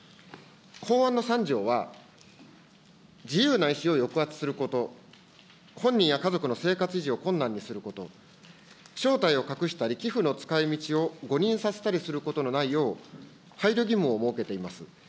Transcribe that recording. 法案の３条は、自由な意思を抑圧すること、本人や家族の生活維持を困難にすること、正体を隠したり寄付の使いみちを誤認させたりすることのないよう、配慮義務を設けています。